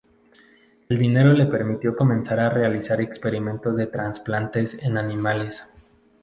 El dinero le permitió comenzar a realizar experimentos de trasplantes en animales.